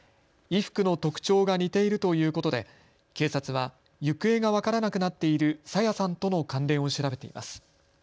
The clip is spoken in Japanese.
衣服の特徴が似ているということで警察は行方が分からなくなっている朝芽さんとの関連を調べています。